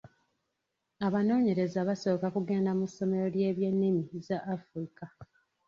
Abanoonyereza basooka kugenda mu ssomero ly'ebyennimi z'a Africa.